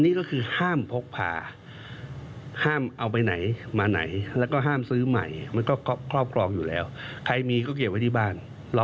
นี่ก็คือห้ามพกพาห้ัมเอาไปไหนมาไหนและก็ห้ามซื้อใหม่มัน